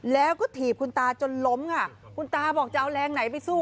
แล้วก็ถีบคุณตาจนล้มค่ะคุณตาบอกจะเอาแรงไหนไปสู้